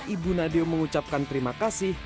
ibu nadeo mengucapkan terima kasih